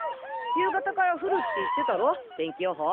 夕方から降るって言ってたろ天気予報。